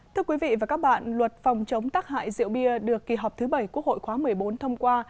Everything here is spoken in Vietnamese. thưa quý vị và các bạn luật phòng chống tác hại rượu bia được kỳ họp thứ bảy quốc hội khóa một mươi bốn thông qua